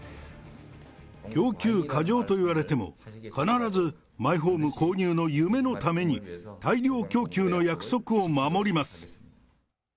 供給過剰と言われても、必ずマイホーム購入の夢のために、大量供給の約束を守ります。